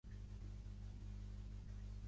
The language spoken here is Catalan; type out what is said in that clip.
Sinazongwe també es troba a The Houseboat Company.